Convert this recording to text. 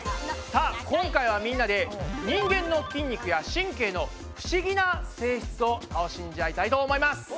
さあ今回はみんなで人間の筋肉や神経の不思議な性質を楽しんじゃいたいと思います。